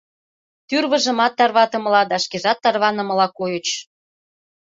Тӱрвыжымат тарватымыла да шкежат тарванымыла койыч.